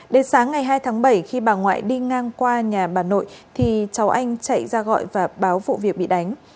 đến sáng ngày hai tháng bảy khi bà ngoại đi ngang qua nhà bà nội thì cháu anh chạy ra gọi và báo vụ việc bị đánh